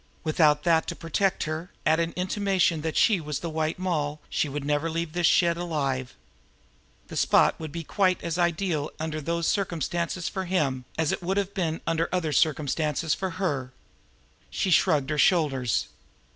Without that to protect her, at an intimation that she was the White Moll she would never leave the shed alive. The spot would be quite as ideal under those circumstances for him, as it would have been under other circumstances for her. She shrugged her shoulders.